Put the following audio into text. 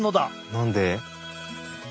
何で？